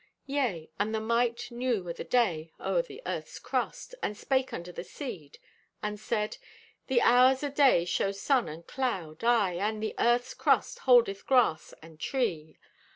Yea, and the Mite knew o' the day o'er the Earth's crust, and spake unto the Seed, and said: "'The hours o' day show sun and cloud, aye, and the Earth's crust holdeth grass and tree.